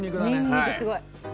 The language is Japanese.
ニンニクすごい。